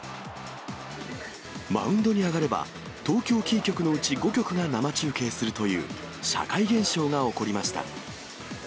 マウンドに上がれば、東京キー局のうち５局が生中継するという、社会現象が起こりました。